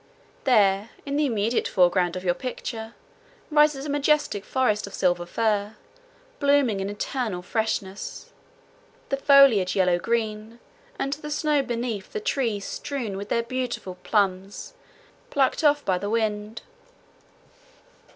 There, in the immediate foreground of your picture, rises a majestic forest of Silver Fir blooming in eternal freshness, the foliage yellow green, and the snow beneath the trees strewn with their beautiful plumes, plucked off by the wind.